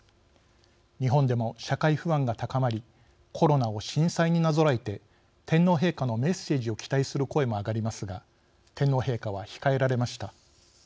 日本でも社会不安が高まりコロナを震災になぞらえて天皇陛下のメッセージを期待する声も上がりますが天皇陛下は控えられました。